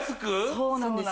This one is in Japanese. そうなんです